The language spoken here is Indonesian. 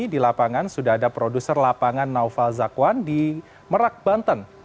di lapangan sudah ada produser lapangan naufal zakwan di merak banten